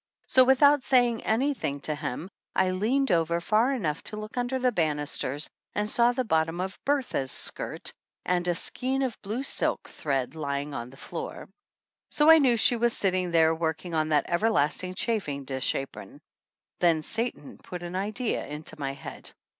So, without saying anything to him, I leaned over far enough to look under the banisters, and saw the bottom of Bertha's skirt and a skein of blue silk thread lying on the floor. So I knew she was sitting there working on that everlasting chafing dish apron. Then Satan put an idea into my head.